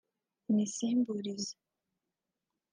imisimburize